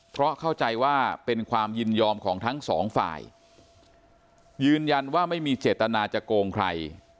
เพราะเข้าใจว่าเป็นความยินยอมของทั้งสองฝ่ายยืนยันว่าไม่มีเจตนาจะโกงใคร